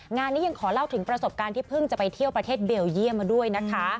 งานนี้ยังขอเล่าถึงประสบการณ์ที่เพิ่งจะไปเที่ยวประเทศเบลเยี่ยมมาด้วยนะคะ